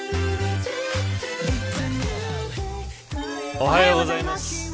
おはようございます。